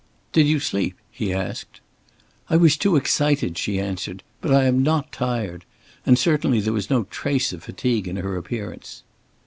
"Did you sleep?" he asked. "I was too excited," she answered. "But I am not tired"; and certainly there was no trace of fatigue in her appearance.